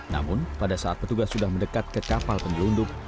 namun pada saat petugas sudah mendekat ke kapal penyelundup